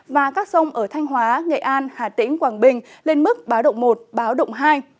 và các sông ở thanh hóa nghệ an hà tĩnh quảng bình lên mức báo động một báo động hai